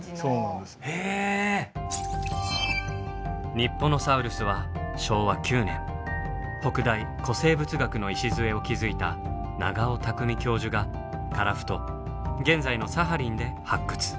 ニッポノサウルスは昭和９年北大・古生物学の礎を築いた長尾巧教授が樺太現在のサハリンで発掘。